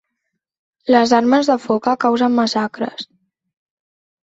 Les armes de foca causen massacres